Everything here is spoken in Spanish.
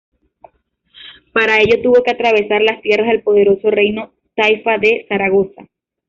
Para ello tuvo que atravesar las tierras del poderoso reino taifa de Zaragoza.